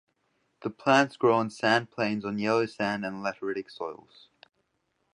The plants grow on sandplains on yellow sand and lateritic soils.